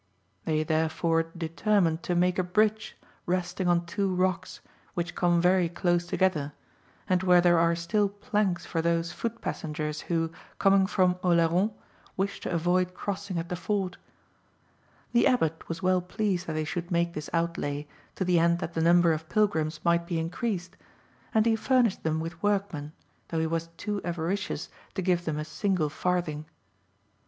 They therefore determined to make a bridge resting on two rocks which come very close together, and where there are still planks for those foot passengers who, coming from Oleron, wish to avoid crossing at the ford. The Abbot was well pleased that they should make this outlay, to the end that the number of pilgrims might be increased, and he furnished them with workmen, though he was too avaricious to give them a single farthing.